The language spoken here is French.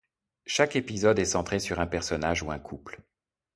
Chaque épisode est centré sur un personnage ou un couple.